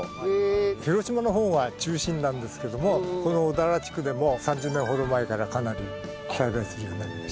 広島の方が中心なんですけどもこの小田原地区でも３０年ほど前からかなり栽培するようになりました。